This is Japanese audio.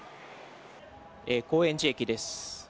高円寺駅です。